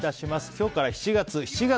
今日から７月。